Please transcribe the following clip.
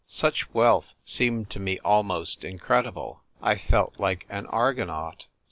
Such wealth seemed to me almost incredible. I felt like an Argo naut.